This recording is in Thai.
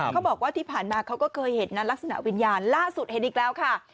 เขาบอกว่าที่ผ่านมาเขาก็เคยเห็นลักษณะวิญญาณล่าสุดเห็นอีกแล้วค่ะ